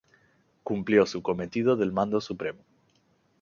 Cumplió su cometido del Mando Supremo.